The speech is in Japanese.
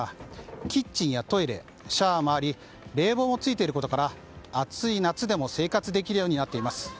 キッチンやトイレシャワーもあり冷房もついていることから暑い夏でも生活できるようになっています。